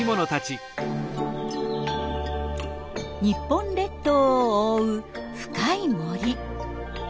日本列島を覆う深い森。